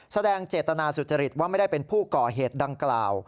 แสดงเจตนาสุจริตว่าไม่ได้เป็นผู้ก่อเหตุดังกล่าว